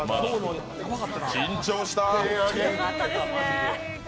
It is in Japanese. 緊張した。